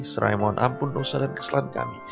serai mohon ampun dosa dan kesalahan kami